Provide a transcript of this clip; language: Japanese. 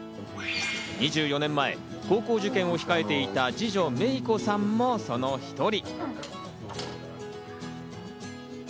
２４年前、高校受験を控えていた二女・芽衣子さんもその一人。